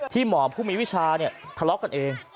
ที่หมอผู้มีวิชาเนี่ยทะเลาะกันเอง